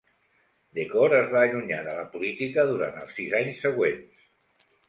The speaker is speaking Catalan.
Decore es va allunyar de la política durant els sis anys següents.